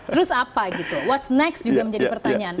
terus apa what's next juga menjadi pertanyaan